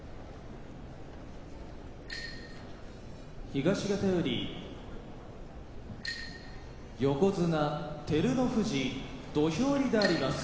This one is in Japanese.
東方より横綱照ノ富士土俵入りであります。